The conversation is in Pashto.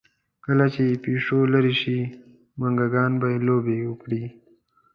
کله چې پیشو لرې شي، موږکان به لوبې وکړي.